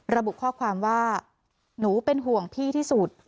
ระบุข้อความว่าหนูเป็นห่วงพี่ที่สุด